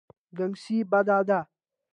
ګنګسي بده ده.